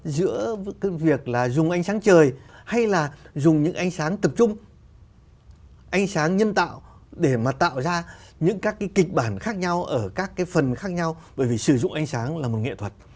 giữa việc là dùng ánh sáng trời hay là dùng những ánh sáng tập trung ánh sáng nhân tạo để mà tạo ra những các cái kịch bản khác nhau ở các cái phần khác nhau bởi vì sử dụng ánh sáng là một nghệ thuật